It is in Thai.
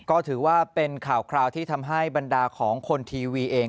ก็ถือว่าเป็นข่าวคราวที่ทำให้บรรดาของคนทีวีเอง